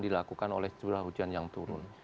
dilakukan oleh curah hujan yang turun